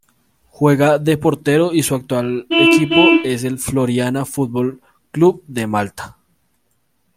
Juega de Portero y su actual equipo es el Floriana Football Club de Malta.